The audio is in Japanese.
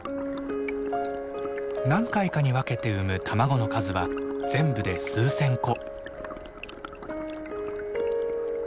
何回かに分けて産む卵の数は全部で数千個。